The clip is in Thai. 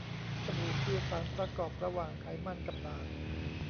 สบู่คือสารประกอบระหว่างไขมันกับด่าง